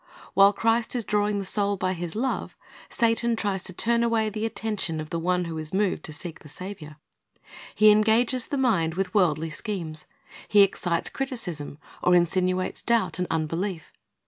While Christ is drawing the soul by His love, Satan tries to turn away the attention of the one who is moved to seek the Saviour. He engages the mind with worldly schemes. He excites 'Heb. 3:15 ^'Tlic Sozver Went Forth to So 7a 45 4 criticism, or insinuates doubt and unbelief.